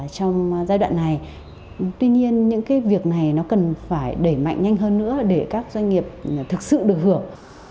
trong giai đoạn này tuy nhiên những cái việc này nó cần phải đẩy mạnh nhanh hơn nữa để các doanh nghiệp thực sự được hưởng